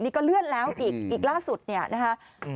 นี่ก็เลื่อนแล้วอีกอีกล่าสุดนะคะ